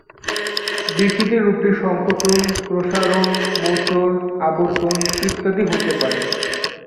বিকৃতির রূপটি সংকোচন, প্রসারণ, মোচড়, আবর্তন ইত্যাদি হতে পারে।